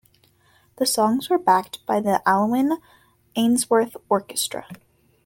The songs were backed by the Alyn Ainsworth Orchestra.